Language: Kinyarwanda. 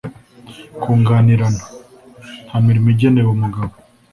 kunganirana. Nta mirimo igenewe umugabo